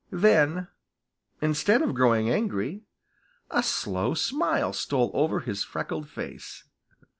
Then, instead of growing angry, a slow smile stole over his freckled face.